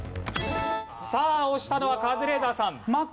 さあ押したのはカズレーザーさん。